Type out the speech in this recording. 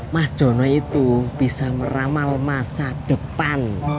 mas jono itu bisa meramal masa depan